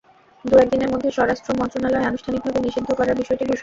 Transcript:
দু-এক দিনের মধ্যে স্বরাষ্ট্র মন্ত্রণালয় আনুষ্ঠানিকভাবে নিষিদ্ধ করার বিষয়টি ঘোষণা করবে।